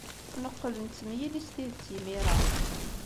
Neqqel nettemyili s tidet imir-a.